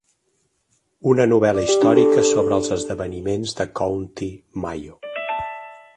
Una novel·la històrica sobre els esdeveniments de County Mayo.